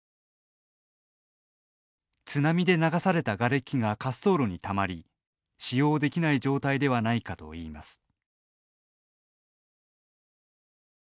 津波で流されたがれきが滑走路にたまり使用できない状態ではないかといいます。